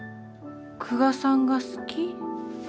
久我さんが好き。